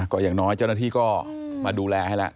ก็อย่างน้อยเจ้าหน้าที่ก็มาดูแลให้แล้ว